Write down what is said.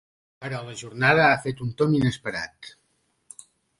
Però la jornada ha fet un tomb inesperat.